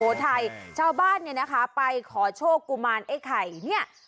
ชาวบ้านเนี่ยนะคะไปขอโชคกุมารไอ้ไข่เนี่ย